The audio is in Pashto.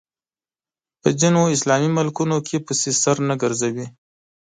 په ځینو اسلامي ملکونو کې پسې سر نه ګرځوي